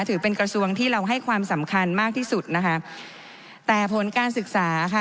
ถือเป็นกระทรวงที่เราให้ความสำคัญมากที่สุดนะคะแต่ผลการศึกษาค่ะ